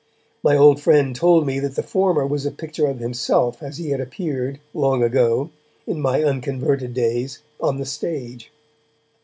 My old friend told me that the former was a picture of himself as he had appeared, 'long ago, in my unconverted days, on the stage'.